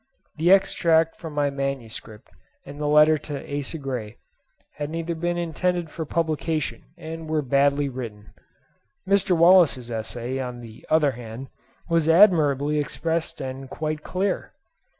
The extract from my MS. and the letter to Asa Gray had neither been intended for publication, and were badly written. Mr. Wallace's essay, on the other hand, was admirably expressed and quite clear.